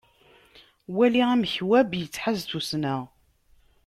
Wali amek web yettḥaz tussna.